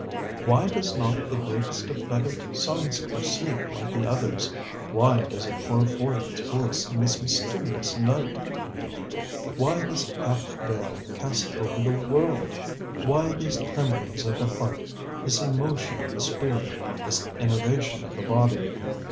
ŌĆ£Why does not the greatest of feathered songsters sleep like the others? Why does it pour forth its voice in the mysterious night? ŌĆ£Why this half veil cast over the world? Why these tremblings of the heart, this emotion of the spirit, this enervation of the body?